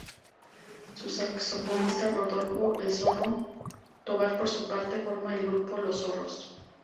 Su saxofonista Rodolfo "El Zorro" Tovar por su parte forma el grupo "Los Zorros".